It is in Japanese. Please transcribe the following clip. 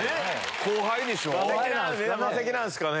後輩なんすかね。